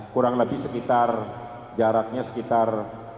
kurang lebih sekitar jaraknya sekitar